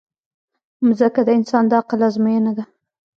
مځکه د انسان د عقل ازموینه ده.